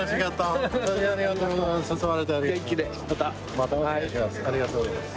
またお願いします。